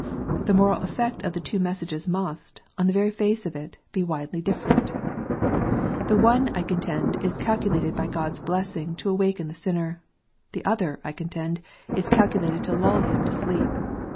The moral effect of the two messages must, on the very face of it, be widely different. The one, I contend, is calculated by God s blessing to awaken the sinner. The other, I contend, is calculated to lull him to sleep.